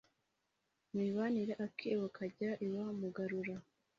Imibanire Akebo kajya iwa mugarura